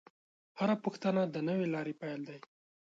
هره پوښتنه د نوې لارې پیل دی.